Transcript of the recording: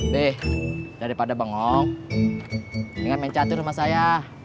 deh daripada bengong ingat mencantum rumah saya